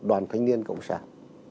đoàn thanh niên cộng sản